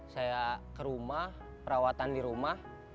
saya ke rumah perawatan di rumah